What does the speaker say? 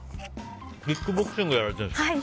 キックボクシングやられてるんですか？